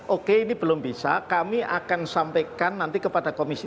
oke ini belum bisa kami akan sampaikan nanti kepada komisi tiga